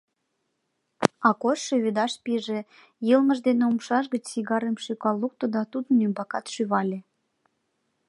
Акош шӱведаш пиже, йылмыж дене умшаж гыч сигарым шӱкал лукто да тудын ӱмбакат шӱвале.